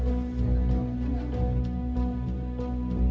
ada berapa pertanyaan